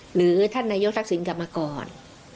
หรือท่านนายกฤษฎร์ศักดิ์สินภาคกลับมาก่อน